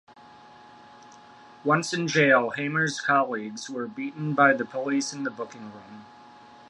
Once in jail, Hamer's colleagues were beaten by the police in the booking room.